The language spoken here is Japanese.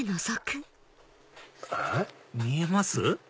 見えます？